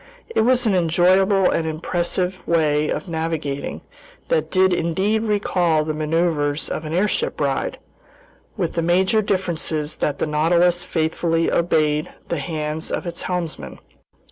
It was an enjoyable and impressive way of navigating that did indeed recall the maneuvers of an airship ride, with the major difference that the Nautilus faithfully obeyed the hands of its helmsman.